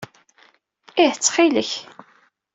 Ih ttxil-k.